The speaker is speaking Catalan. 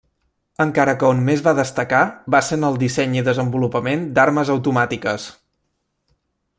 Encara que on més va destacar va ser en el disseny i desenvolupament d’armes automàtiques.